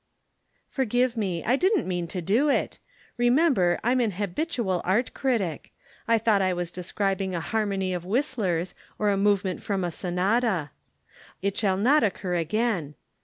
"Forgive me. I didn't mean to do it. Remember I'm an habitual art critic. I thought I was describing a harmony of Whistler's or a movement from a sonata. It shall not occur again.